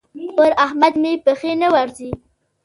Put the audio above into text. پر احمد مې پښې نه ورځي.